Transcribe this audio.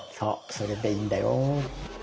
それでいいんだよ。